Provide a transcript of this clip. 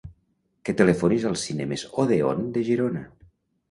Que telefonis als Cinemes Odeón de Girona.